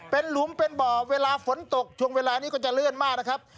เป็นหลุมเป็นบ่อเวลาฝนตกช่วงเวลานี้ก็จะเลื่อนมากนะครับ